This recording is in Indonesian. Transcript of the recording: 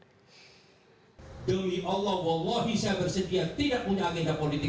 demi allah wallahi syabdarsidhiyah tidak punya agenda politik